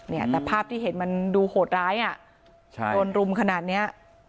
เนี่ยแต่ภาพที่เห็นมันดูโหดร้ายอ่ะใช่โดนรุมขนาดเนี้ย